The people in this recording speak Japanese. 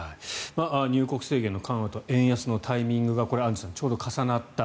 入国制限の緩和と円安のタイミングがこれ、アンジュさんちょうど重なった。